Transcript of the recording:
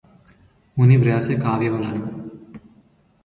మూని వ్రాసె కావ్యములను